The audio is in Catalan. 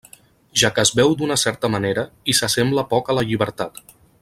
Ja que es veu d'una certa manera, i s'assembla poc a la llibertat.